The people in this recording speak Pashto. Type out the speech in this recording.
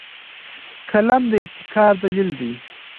قلم د ابتکار دلیل دی